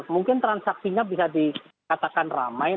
mungkin transaksinya bisa dikatakan ramai